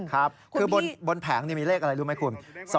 คือบนแผงมีเลขอะไรรู้ไหมคุณ